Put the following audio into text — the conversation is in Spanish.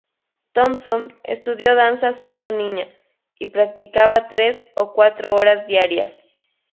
Thompson estudió danza siendo niña, y practicaba tres o cuatro horas diarias.